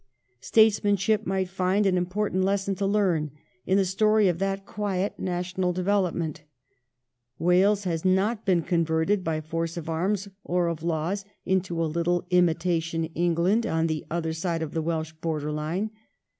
Statesmanship might find an important lesson to learn in the story of that quiet national development. Wales has not been converted by force of arms or of laws into a little imitation England on the other side of the Welsh border line.